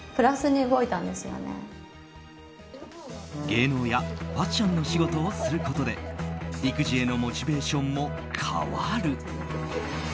芸能やファッションの仕事をすることで育児へのモチベーションも変わる。